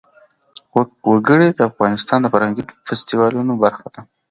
وګړي د افغانستان د فرهنګي فستیوالونو برخه ده.